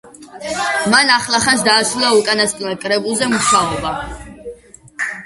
მან ახლახანს დაასრულა უკანასკნელ კრებულზე მუშაობა.